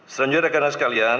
selanjutnya rakan rakan sekalian